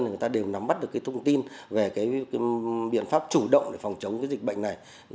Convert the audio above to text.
thì người ta đều nắm bắt được thông tin về biện pháp chủ động để phòng chống dịch bệnh này